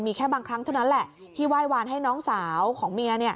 มีแค่บางครั้งเท่านั้นแหละที่ไหว้วานให้น้องสาวของเมีย